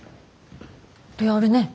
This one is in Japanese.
であるね。